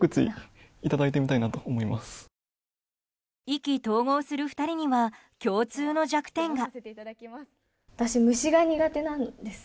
意気投合する２人には共通の弱点が。